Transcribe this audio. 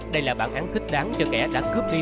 đây là bản án thích đáng cho kẻ đã cướp đi